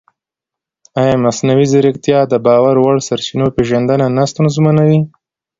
ایا مصنوعي ځیرکتیا د باور وړ سرچینو پېژندنه نه ستونزمنوي؟